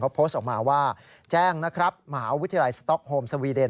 เขาโพสต์ออกมาว่าแจ้งนะครับมหาวิทยาลัยสต๊อกโฮมสวีเดน